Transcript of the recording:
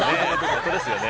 ◆本当ですよね。